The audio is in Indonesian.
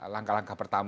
yang lebih mudah